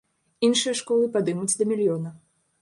Іншыя школы падымуць да мільёна.